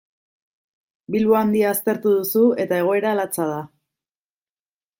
Bilbo Handia aztertu duzu eta egoera latza da.